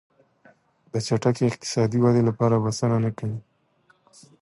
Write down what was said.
د چټکې اقتصادي ودې لپاره بسنه نه کوي.